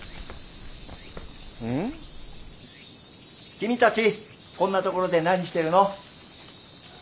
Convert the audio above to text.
君たちこんなところで何してるの？